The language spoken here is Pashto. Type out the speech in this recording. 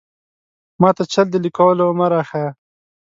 ماته چل د ليکلو مۀ راښايه!